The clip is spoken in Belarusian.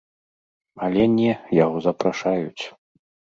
Але не, яго запрашаюць.